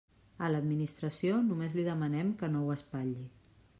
A l'Administració només li demanem que no ho espatlli.